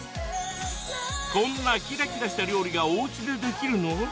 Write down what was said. こんなキラキラした料理がおうちでできるの？